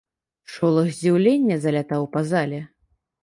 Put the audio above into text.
Шолах здзіўлення залятаў па зале.